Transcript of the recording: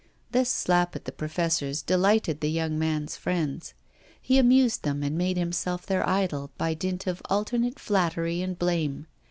This slap at the professors delighted the young man's friends. He amused them and made himself their idol by dint of alternate flattery and blame.